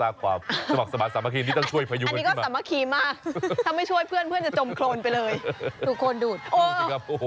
อันนี้ก็สรรพาแล๊วครับถ้าไม่ช่วยเพื่อนมันก็จมโครนไปเลย